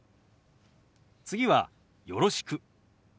次は「よろしく」。